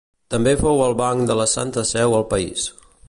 També fou el banc de la Santa Seu al país.